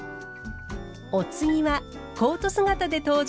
お次はコート姿で登場。